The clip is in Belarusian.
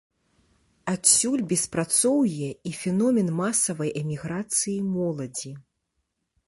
Адсюль беспрацоўе і феномен масавай эміграцыі моладзі.